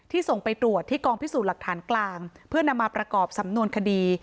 ส่งไปตรวจที่กองพิสูจน์หลักฐานกลางเพื่อนำมาประกอบสำนวนคดี